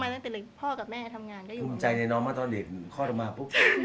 สบายไงสบาย